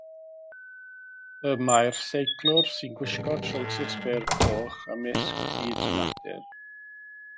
Y mae'r seiclwr sy'n gwisgo trowsus byr coch ymysg byd natur.